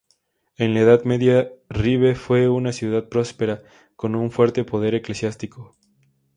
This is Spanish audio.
En la Edad Media Ribe fue una ciudad próspera, con un fuerte poder eclesiástico.